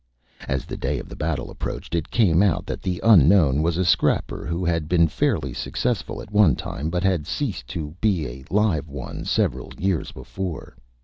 As the Day of the Battle approached it came out that the Unknown was a Scrapper who had been fairly Successful at one Time, but had ceased to be a Live One several Years before.